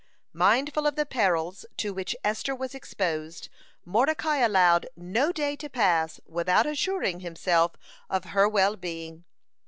(81) Mindful of the perils to which Esther was exposed, Mordecai allowed no day to pass without assuring himself of her well being.